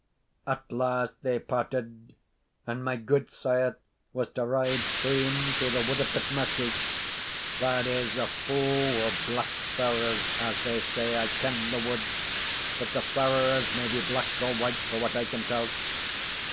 At last they parted, and my gudesire was to ride hame through the wood of Pitmurkie, that is a' fou of black firs, as they say. I ken the wood, but the firs may be black or white for what I can tell.